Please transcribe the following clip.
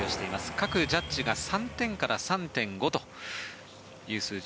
各ジャッジが３点から３．５という数字。